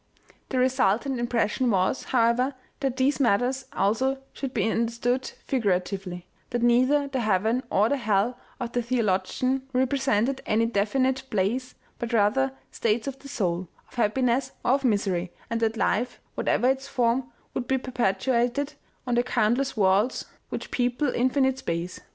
The resultant impression was, however, that these matters also should be understood figuratively, that neither the heaven or the hell of the theologian represented any definite place, but rather states of the soul, of happiness or of misery, and that life, whatever its form, would be perpetu ated on the countless worlds which people infinite space.